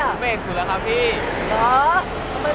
เบสสูดล่ะครับพี่